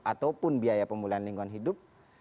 ataupun biaya pemulihan lingkungan hidup